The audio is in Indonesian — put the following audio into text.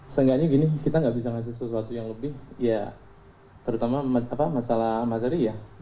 seenggaknya gini kita nggak bisa ngasih sesuatu yang lebih ya terutama masalah materi ya